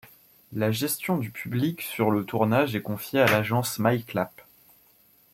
La gestion du public sur le tournage est confié à l'agence MyClap.